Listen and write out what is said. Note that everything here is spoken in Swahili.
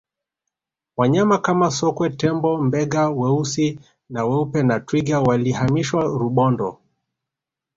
wanyama Kama sokwe tembo mbega weusi na weupe na twiga walihamishiwa rubondo